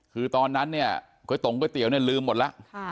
คือตอนนั้นเนี่ยเคยตรงก๋วยเตี๋ยวเนี่ยลืมหมดละค่ะ